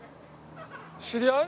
知り合い？